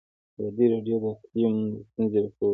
ازادي راډیو د اقلیم ستونزې راپور کړي.